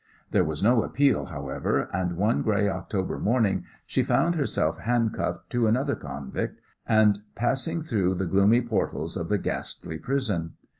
There was no appeal, however, and one grey October morning she found herself handcuffed to another convict, and passing through the gloomy portals of the ghastly prison.